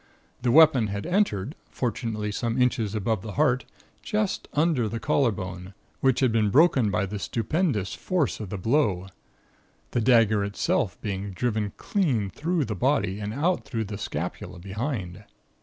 The weapon had entered, fortunately some inches above the heart, just under the collarbone, which had been broken by the stupendous force of the blow, the dagger itself being driven clean through the body, and out through the scapula behind.